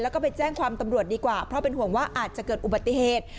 แล้วก็ไปแจ้งความตำรวจดีกว่าเพราะเป็นห่วงว่าอาจจะเกิดอุบัติเหตุ